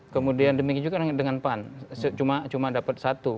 kemudian demikian juga dengan pan cuma dapat satu